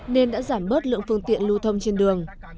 nên đã giảm bớt lượng phương tiện lưu thông trên đường